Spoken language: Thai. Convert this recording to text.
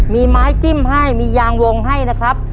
มีไม้จิ้มให้มียางวงให้นะครับ